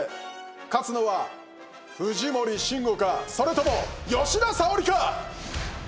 勝つのは藤森慎吾かそれとも吉田沙保里か！